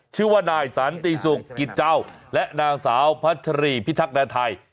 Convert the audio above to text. ชื่อว่านายสันติศุกร์กิจเจ้าและนางสาวพัชรีพิทักษแดนไทย